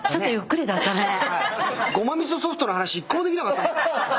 ごまみそソフトの話１個もできなかった。